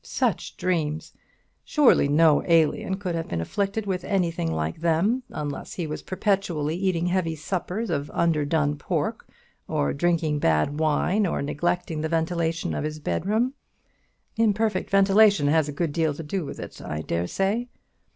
Such dreams! Surely no alien could have been afflicted with anything like them, unless he was perpetually eating heavy suppers of underdone pork, or drinking bad wine, or neglecting the ventilation of his bedroom. Imperfect ventilation has a good deal to do with it, I dare say.